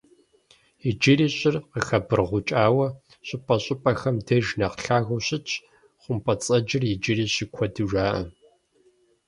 Иджыри щӀыр къыхэбыргъукӀауэ, щӀыпӀэщӀыпӀэхэм деж нэхъ лъагэу щытщ, хъумпӀэцӀэджыр иджыри щыкуэду жаӀэ.